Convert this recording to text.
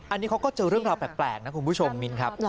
อันนี้เขาก็เจอเรื่องราวแปลกนะคุณผู้ชม